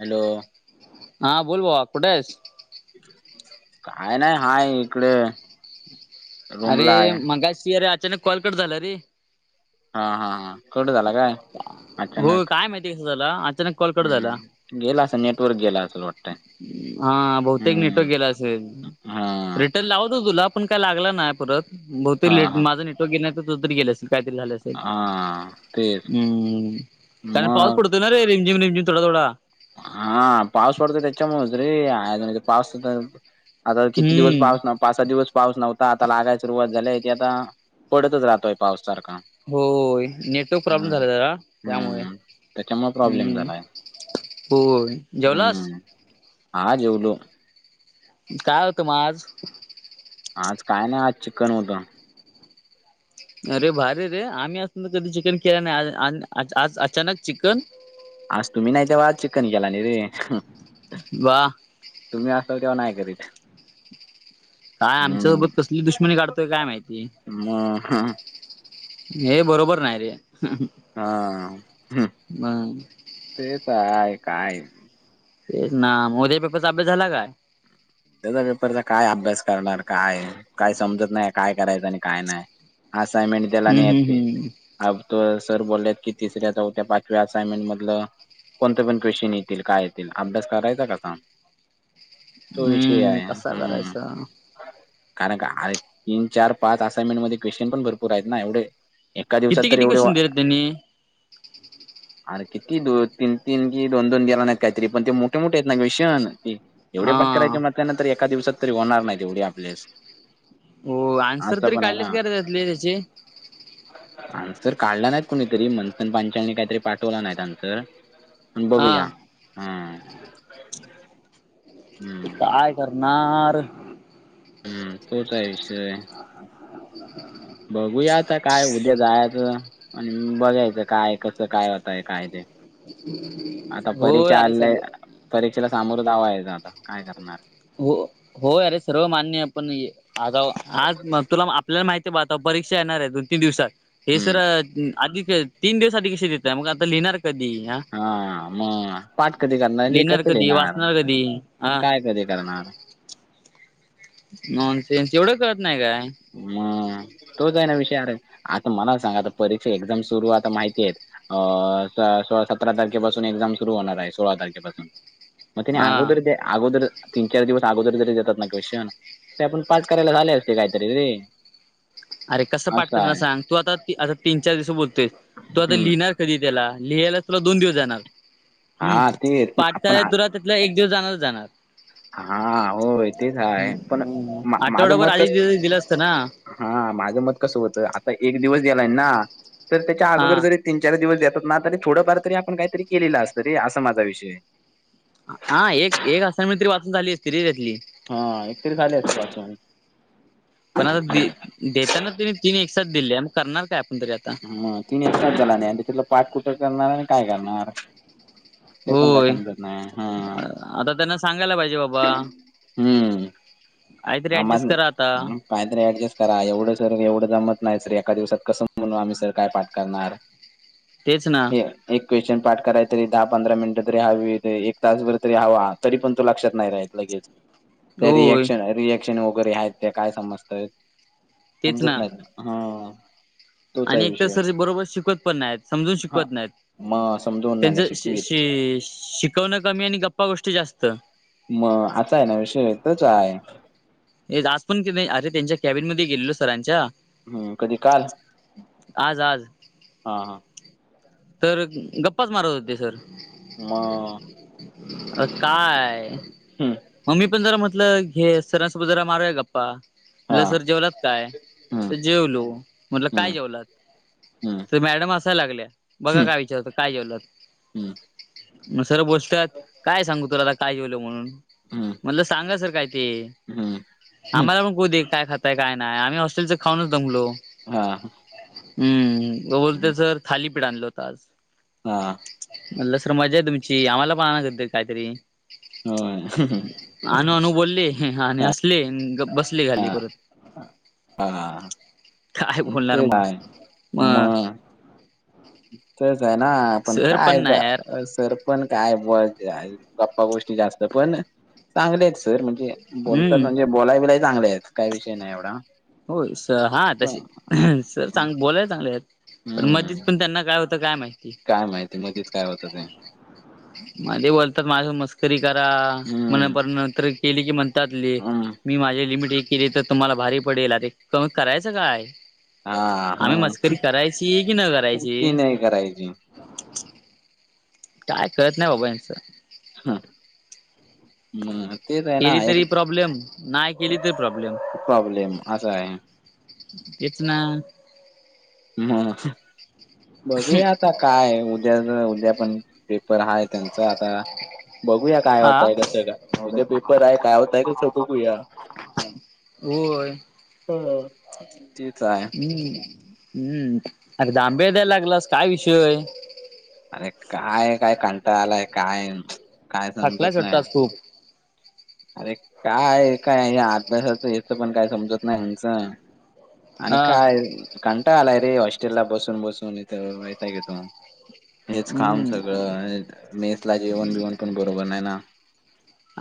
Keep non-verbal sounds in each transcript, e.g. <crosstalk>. Hello. हा बोल भावा कुठ आहेस? काय नाही हाय इकडे. अरे रूमला आहे मगाशी अरे अचानक कॉल करत झाला रे. हा - हा - हा कट झाला काय? हो अचानक काय माहिती आहे कसं झाला अचानक कॉल करत झाला. हम्म गेला असं नेटवर्क गेला असल वाट हा बहुतेक नेटवर्क गेल हा असेल तर लावत तुला पण काय लागला नाही परत बहुतेक हा लेट हा माझं नेटवक गेला नाही तर तु तरी गेले असेल काहीतरी झालं असेल. हा तेच हम्म. कारण पाऊस मग पडतोय ना रे रिमझिम- रिमझिम थोडा- थोडा. हा पाऊस पडतो त्याच्यामुळे रे अ पाऊस आता किती दिवस हम्म पाऊस ना पाच सहा दिवस पाऊस नव्हता आता लागायला सुरुवात झालीय की आता पडतच राहतोय पाऊस सारखा. होय नेटवर्क प्रॉब्लेम हम्म झाला जरा त्यामुळे हम्म त्याच्यामुळे प्रॉब्लेम हम्म. झालाय हो जेवलास? हम्म हा जेवलो. काय होतं मग आज? आज काय नाही आज चिकन होत. अरे भारी रे आम्ही असून तर कधी चिकन केला नाही आज अचानक चिकन? आज तुम्ही नाही तेव्हा चिकन केला नाही रे. वाह. तुम्ही असाल तेव्हा नाही केलेलं. काय आमच्यासोबत कसली दुश्मनी काढतोय काय माहिती? मग हे बरोबर नाही रे. हा हम्म मग ते काय- काय? ते ना उद्याच्या पेपरचा अभ्यास झाला काय? उद्याच्या पेपरचा काय अभ्यास करणार काय- काय समजत नाही काय करायचं आणि काय नाही. असयनमेंट देला हम्म न हम्म येत हम्म अ त सर बोललेत की तिसऱ्या चौथ्या पाचव्या असाइनमेंट मधलं कोणते पण क्वेशन येतील काय येतील अभ्यास करायचा कसा. तो विषय हम्म आहे कसा हम्म. करायचा कारण का तीन चार पाच असाइनमेंट मध्ये क्वेश्चन पण भरपूर आहेत ना एवढे. एका दिवसात किती तर किती एवढे क्वेश्चन दिले त्यांनी? अरे किती दो तीन तीन की दोन दोन गेला ना काहीतरी पण ते मोठे मोठे आहेत ना क्वेश्चन. एवढे हा पाठ करायचे म्हटल्यानंतर एका दिवसात तरी होणार नाहीत तेवढे आपलेस हो अन्सर असं तरी पण काढलेत का र त्यातले त्याचे? आनसर काढला नाहीत कुणीतरी मंथन पांचलनी काहीतरी पाठवला नाहीत आनसर बघू या हा हम्म. हम्म काय करणार. हम्म तोच आहे विषय. बघूया आता काय उद्या जायच. आणि बघायचं काय कसं काय होतय काय ते <unintelligible> आता होय परीक्षा अरे आल्या सगळे परीक्षेला सामोर जावा यायचां आता काय करणार. हो हो अरे सर्व मान्य पण आता आज तुला आपल्याला माहिती आहे ब. परीक्षा येणार आहे दोन तीन दिवसात हे सर हम्म आधी तीन दिवस आधी कसे देतय मग आता लिहिणार कधी हा मग पाठ कधी करणार लिहिणार कस कधी लिहिणार वाचणार कधी हा काय कधी करणार. नॉन्सेन्स एवढं कळत नाही काय. म तो काय ना विषयर आता मला सांगा आता परीक्षा एक्झाम सुरू आता माहिती आहेत. अ सतरा तारखेपासून एक्झाम सुरु होणार आहे सोळा तारखेपासून मे नाही हा आगोद्रदे. अगोदर तीन चार दिवस अगोदर जरी देतात नाका श ते आपण पाठ करायला झाले असते काय. तरी वय. अरे कसं पाठ करणार सांग तू आता आता तीन चार दिवस बोलतोयस तू आता हम्म लिहिणार. कधी त्याला लिहायला तुला दोन दिवस जाणार हा तेच पण आपण र्पाठचा तु. त्या एक दिवस जाणारच जाणार. हा होय तेच आहे पण माझं आठवड्याभर मत कस आधी दि दिलं असतं ना. हा माझं मत कसं होतं आता एक दिवस गेलाय ना तर त्याच्या अगोदर हा जरी. तीन चार दिवस देतात ना तरी थोडंफार तरी आपण काहीतरी केलेलं असतं ररी असा माझा विषय हा एक एक असाइनमेंट तरी वाचून झाली असती त्याची हा एकतरी झाली असती वाचून पण आता हम्म. देताना त तिनी एक साथ दिले मग करणार काय आपण तरी आता हम्म तिने एकटला नाही तिथलं पाठ कुठं करणार आणि काय करणार ते पण काय होय समजत नाही हा आता त्यांना सांगायला पाहिजे बाबा. हम्म काहीतरी ऍडजस्ट करा आता काहीतरी ऍडजस्ट करा एवढं सर एवढं जमत नाही सर एका दिवसात कसं म्हणून आम्ही सर काय पाठ करणार. तेच ना हे आहे. एक क्वेश्चन पाठ कराय तरी दहा पंधरा मिनिटं तरी हवी एक तासभर तरी हवा तरी पण तो लक्षात नाही राही लगेच त्या होय रिएक्शन रिएक्शन वगैरे आहेत त्या काय समजतय तेच समजत ना नाहीत. हम्म. आणि एक तर सर बरोबर शिकवत पण नाहीत समजून हा शिकवत नाहीत. मग समजवून त्यांच नाही श शिकवीत शि शिकवणं कमी आणि गप्पा गोष्टी जास्त. मग आता आहे ना विषय तोच आहे. तेच आज पण अरे त्यांच्या कॅबिन मध्ये गेलेलो सरांच्या हम्म, कधी काल? आज आज हा हा. तर गप्पाच मारत होते सर. हा! अ काय? हम्म मग मी पण जरा म्हटलं घे सरांसोबत जरा मारूया गप्पा, हा म्हणलं सर जेवलात काय? हम्म जेवलो, म्हटलं काय हम्म जेवलात? तर मॅडम हसायला लागल्या. बघा हम्म काय विचारता? काय जेवलात? हम्म मग सर बोलतात काय सांगू तुला? काय जेवलो म्हणून? हम्म म्हणलं सांगा सर काय ते? हम्म हम्म हम्म आम्हाला <unintelligible> खाऊदे काय खाताय काय नाय? आम्ही हॉस्टेलच खाऊनच दमलो. हां! हम्म, <unintelligible> थालीपीठ आणलं होतं आज. हा! म्हणलं सर मजा आहे तुमची आम्हाला पण आणायच होतं काहीतरी? होय! आणू आणू बोलले आणि हासले आणि गप बस हा हा, काय बोलणार मग <unintelligible> म मग तेच आहे ना, आपण सर पण काय नाही यार का सर पण काय बुवा काय? गप्पा गोष्टी जास्त पण चांगलेत सर म्हणजे बोलतात हम्म. म्हणजे बोलाय बिलाय चांगलेत काही विषय नाही एवढा. हो स हा तसे पण सर चांग बोलाय चांगलेत पण मधीच हम्म पण त्यांना काय हो -तं काय माहिती? काय माहिती मध्येच काय होतं ते मधी बोलतात माझ्या मस् करी करा हम्म मग नंतर केली की म्हणतातले हम्म मी माझे लिमिट एक केली तर तुम्हाला भारी पडेल अरे क करायचं काय? हा आम्ही मग मस्करी करायची कि न करायची? ती नाही करायची. काय कळतं नाही बाबा यांचं. हम्म हम्म! केली तरी प्रॉब्लेम, नाही केली तरी प्रॉब्लेम. प्रॉब्लेम असा आहे तेच ना. मग बघूया आता काय? उद्या उद्या पण पेपर हाय त्यांचा आता. बघूया काय आ होतंय? कसं काय? उद्या पेपर आहे काय होतय कसं बघूया? होय, हो. तेच आहे हम्म! हम्म, अरे जांभळे द्यायला लागलास काय विषय आहे? अरे काय काय कंटाळ आलाय काय? काय थकलायस समजत वाटतं नाही आज खूप? अरे काय काय या अभ्यासाचं याचं पण काय समजत नाही ह्यांच आणि हा काय कंटाळा आलाय रे हॉस्टेल ला बसून-बसून इथं वैताग येतो. हेच खाऊन हम्म सगळं <unintelligible> मेसला जेवण बिवण पण बरोबर नाही ना.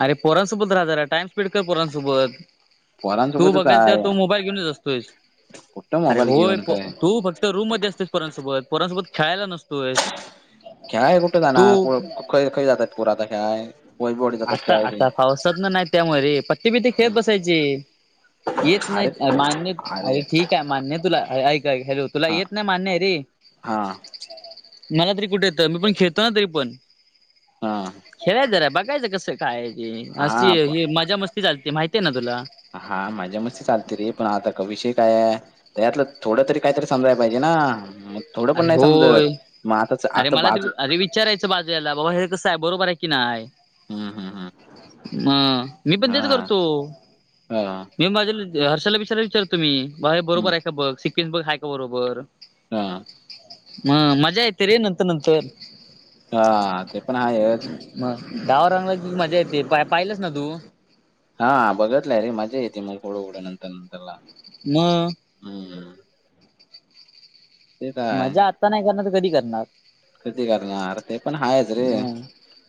अरे पोरांसोबत राहा जरा, टाइम स्पेंड कर पोरांसोबत. तू पोरांसोबतच बघेल तेव्हा तू आहे तो मोबाईल घेऊनच असतोयस, कुठं अरे मोबाईल होय घेऊन फो काय तू फक् रूममध्ये असतेस पोरांसोबत, पोरांसोबत खेळायला नुस खेळाय कुठं जाणार, पोर खय-खय जाता पोरं आता खेळाय. वैभववाडी जातात खेळाय ते आता-आता पावसात ना-नाही त्यामुळे पत्ते बित्ते खेळत बसायचे. येत अरे नाहीत अ मान्य आ अरे ठीक आहे मान्य तुला, ऐक-ऐक हॅलो तुला हा येत नाही मान्यय रे! हा. मला तरी कुठं येतं, मी पण खेळतो ना तरी पण, हा खेळाय जरा बघ कायचं कसं काय ते, अशी हा ये मजा मस्ती चालते माहिती आहे ना तुला! हा मजा मस्ती चालते रे, पण आता क विषय काये? त्यातलं थोडं तरी काहीतरी समजाय पाहिजे ना! थोडं अरे पण नाही होय समजत, मग आता अरे च-आता मला तरी बाज अरे विचारायचं बाजल्याला, बाबा हे कसंय बरोबरे की नाय? हम्म-हम्म-हम्म. मग, मी पण तेच करतो. हा मी माझ्याल हर्षलला विचारय विचारतो मी, बा हे बरोबर हम्म आहे का बघ, सिंकेस बघ हाय का बरोबर? हा. मग मजा येत रे नंतर-नंतर. हा ते पण हायच. मग, डाव रंगला की मजा येते, पाय-पाहिलंस ना तू? हा, बघतलाय रे मजा येते मग थोडं-थोडं नंतर-नंतरला. म. हम्म. ते काय मज्जा आता नाही करणार तर कधी करणार? कधी करणार ते पण हायच रे, मग.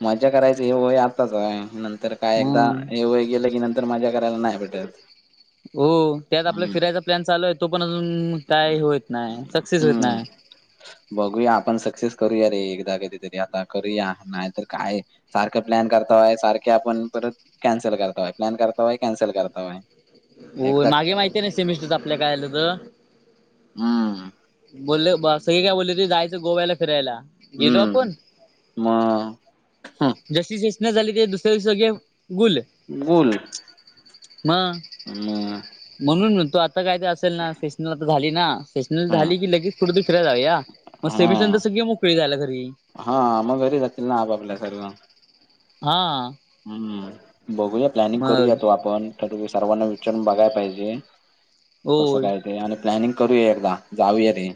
मज्जा करायच हे आताच आहे नं तर काय एकदा, मग हे वय गेलं की नंतर मजा करायला नाय भेटत. हो, त्यात आपला हम्म फिरायचा प्लॅन चालू आहे तो पण अजून काय होईत नाय, सक्सेस होत हम्म नाय. बघूया आपण सक्सेस करूया रे एकदा, कधीतरी आता करूया नाही तर काय सारखं प्लॅन करतावाय, सारखे आपण परत कॅन्सल करतावाय प्लॅन करतावाय कॅन्सल करतावाय. हो एकदा मागे माहिती आहे ना, सेमिस्टरच आपल्या काय आलेलं. हम्म बोलले बा सई काय बोलली होते, जायचं गोव्याला फिरायला. गेलो हम्म आपण? मग हं, जशी सुचणा झाली ते दुसऱ्या दिवशी सगळे गुल. गुल. मग, म्हणून म्हणतो आता काय तर असेल ना सेशनला झाली ना, सेशनल हा झाली की लगेच कुठं तरी फिरायला जावुया, मग सेमिशनर नंतर हा सगळी मोकळी जायला घरी. हा मग घरी जातील ना, आपआपल्या सर्व. हा. हम्म, बघूया प्लॅनिंग करूया मग तो आपण ठरवु, सर्वांना विचारून बघाय पायजे. कसं होय काय ते, आणि प्लॅनिंग करूया एकदा जाऊया रे,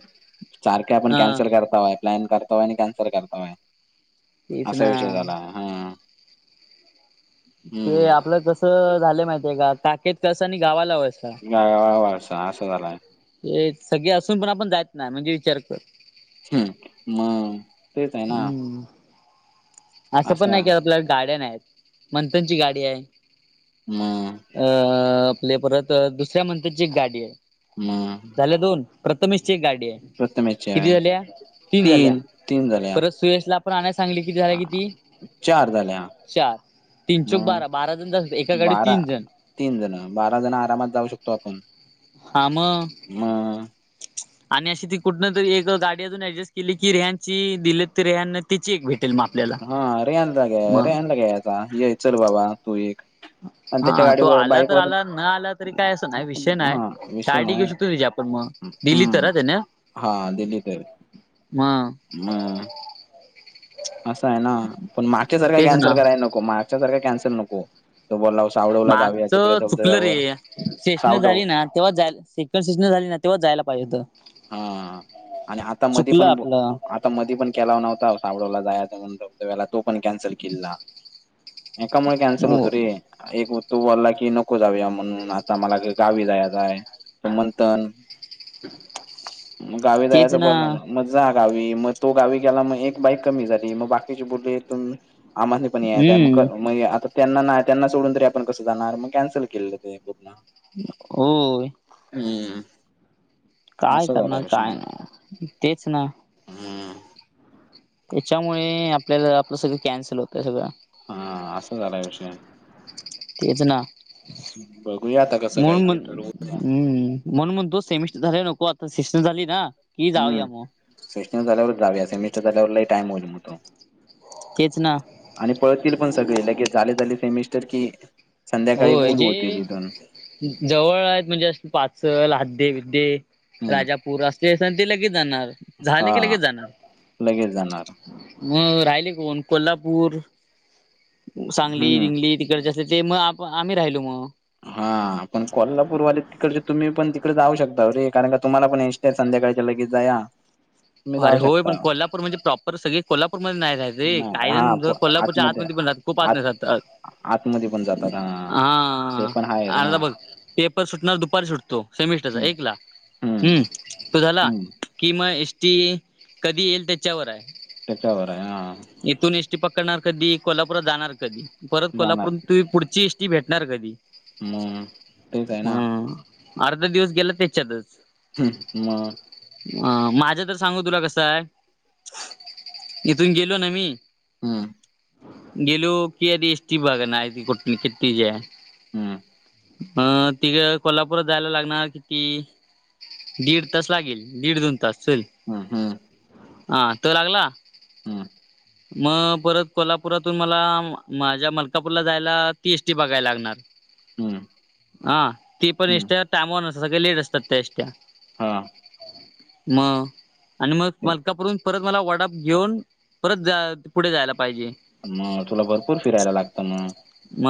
सारखे आपण हा कॅन्सल कर काय प्लॅन करतावाय, आणि कॅन्सल करतावाय तेच असा विषय ना. झाला हं. ते आपलं कस झालंय माहितीये का, खाकेत कळसा आनी गावाला वळसा. गावा वळसा असं झालय. तेच सगळे असून पण आपण जायेत नाय, म्हणजे विचार कर. हम्म म. हम्म. असं पण असा नाही की आपल्या गाड्या नाहीत, मंथनची गाडी आहे, मं अं आपले परंत दुसऱ्यां म्हणंतरची एक गांडी आहे मं प्रथमेश ची गांडी किती आहे झाल्या तीनं झाल्यां तीन तीन झाल्या परं सुशलां पणं सांगली की आ, चार तीनं चौक बारा बारा जणं जातांत एकांकडे तीनं जणं तीनं जणं बारा जणं आरामांत जाऊं शकतो आपणं हां मंग मं अच्छा आणि अशी ती कुंठन तरी एक गांडी अजूंन ऍडजस्ट केली की रेहची दिली तरं रेहं तिची एक भेटं ते मां आपल्यांला हां रियालां घ्यां रियाला घ्यां यांचा ये चलं बाबां तूं एक आणि त्याच्या हां तो गाडीवर आंला तरं बाईकवर आंला नं आंला तरी कायं असं नाहीं विषय हा नाहीं विषय गांडी ना घेऊ शकतो तझे आपणं मंग दिलं तरां त्यांना हां दिल्लीतं आहे मं हम्मं असं आहे नां पणं मागच्यांसारखा तेच कॅन्सल ना करांयला नको मागच्यांसारखा कॅन्सल नको तो बोलां मागचं चुकलं रे सेशन सावडव झाली नां तेव्हां जायंला सेकंड सेजन झाली नां तेंव्हां जायंला पाहिजे हों हां आणि आंता मध्यें पणं आपलं तां मधं पणं केलां नव्हतां साबडवलां जायं वलां तो पणं कॅन्सल केललां एकांमुळे कॅन्सल हो होतो रे एक तो वलां की नको जाऊंया म्हणूंन आंता मलां गांवी जायचं आहे मंथन गं गांवी तेच जायचं ना बरं लागलं मं जां गांवी मंग तो गांवी गेलां मंग एक बाईक कमी झांली मंग बाकीची बोलेथून आम्हांने पणं यायचं आहे हम्म मगं म्हं आंता त्यांना नाहीं त्यांना सोडूंन तरी आपणं कसं जाणारं मंग कॅन्सलं केलेलं ते पूर्ण हो हम्मं कायं करणारं कायं नाहीं तेचं नां हम्म त्यांच्यामुळे आपल्यांला आपलं सगळं कॅन्सल होतंय सगळं हां असां झालां विषय तेचं नां बघूया आता कसं काय म्हूंन म्हं ते ठरवूया हम्मं म्हंण मंग तो सेमिस्टर झालां नको आंता सिस्टरं झाली नां की जाऊंया मंग सेशनर झावरं जां यां सेमस्टर झाल्यांवरलांही टाइमोललं मतो तेचं नां आणि पळतील पणं सगळें लं के झाले झाले सेमिस्टर कि संध्याकाळी गोल होतील इं देने जवळं आहेतं म्हणजे असं पाचंल हद्दं बिद्दे हम्म राजांपूर असले असं ते लगेचं जाणारं झाले की लगेचं जाणारं लगेचं जाणारं मंग राहिले कोणं कोल्हापूर सांगली हम्म रिंगली तिकडच्यां ते मगं आपणं आम्हीं राहिलो मंग हां पणं कोल्हापूरवाले तिकडं तुम्हीं पणं तिकडे जाऊं शकता रे कारणं कां तुम्हांला पणं इ. ते संध्याकाळच्या लगेच जाया. तुम्ही अरे जाऊ होय पण शकता कोल्हापूर म्हणजे प्रॉपर सगळे कोल्हापूरमध्येध्ये नाही राहायच. रे नाही कायही हा जण प कोल्हापूरच्या आतमध्ये पण रहातात खूप आत म्यध्ये रहातात आतमध्ये पण जातात हा ते हा. पण आहेत अता ना बघ पेपर सुटणार दुपारी सुटतो सेमिस्टरचा हम्म एक ला. हम्म तो झाला हम्म कि मग एस टी कधी येईल? त्याच्यावर आहे. त्याच्यावर आहे ह. इथून एस टी पकडणार कधी कोल्हापुरात जाणार कधी परत जाणार कोल्हापूरात तु पुढची एटी भेटणार कधी मग तेच आहे ना अर्धा दिवस गेला त्याच्यातच हम्म मग अ.. माझ तर सांगू तुला कस आहे इथून गेलो ना मी हम् गेलो कि आधी एसटी बघणार ती कुठ कींती आहे. हम्म. तिथं नं कोल्हापूरात जायला लागणार किती. दीड दोन तास लागेल दीड, दोन तास चल. हम हम. हा तो लागला. हम्म. ह. मग परत कोल्हापुरातून मला माझ्या मलकापूरला जायला ती एसटी बघायला लागणार. हम्म. हा ते पण एस हम्म ट्या टायमावर नसतात सगळे लेट असतात त्या हा. मग आणि मग ते मालकापूर परत मला वाडाप घेऊन. परत जा पुढे जायला पाहिजे. मग तुला भरपूर फिरायला लागतं ना. म